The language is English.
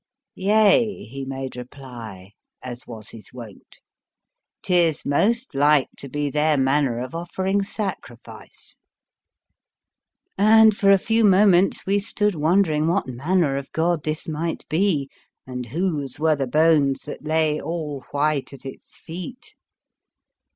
" Yea," he made reply (as was his wont), " 'tis most like to be their man ner of offering sacrifice." And for a few moments we stood wondering what manner of god this might be, and whose were the bones that lay all white at its feet.